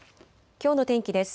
きょうの天気です。